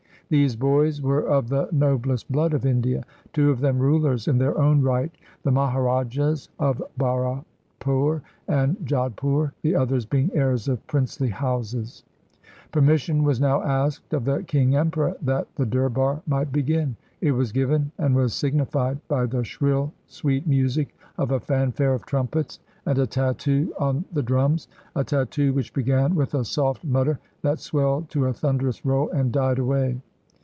These boys were of the noblest blood of India, two of them rulers in their own right, the Maharajahs of Bharatpur and Jodhpur, the others being heirs of princely houses. 252 THE CORONATION DURBAR OF 191 1 Permission was now asked of the King Emperor that the Durbar might begin. It was given, and was signified by the shrill sweet music of a fanfare of trumpets and a tattoo on the drums — a tattoo which began with a soft mutter that swelled to a thunderous roll, and died away.